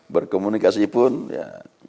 berkomunikasi pun ya